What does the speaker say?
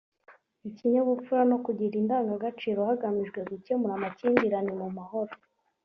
ikinyabupfura no kugira indangagaciro hagamijwe gukemura amakimbirane mu mahoro”